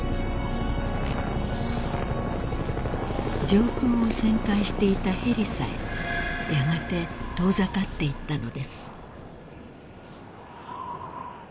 ・［上空を旋回していたヘリさえやがて遠ざかっていったのです］